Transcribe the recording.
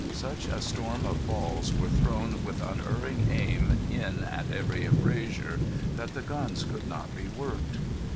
Such a storm of balls were thrown with unerring aim in at every embrasure, that the guns could not be worked.